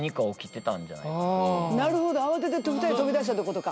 なるほど慌てて２人で飛び出したってことか。